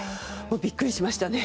びっくりしましたね。